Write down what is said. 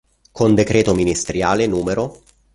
Con decreto ministeriale n.